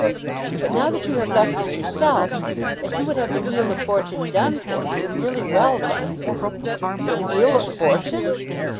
"But now that you have left it yourself, if you would have the 'Wheel of Fortune' done for me, really well done!" "The 'Wheel of Fortune'!"